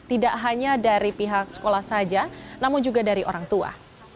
tidak hanya dari pihak sekolah saja namun juga dari orang tua